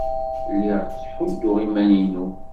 Lliɣ ttḥudduɣ iman-inu.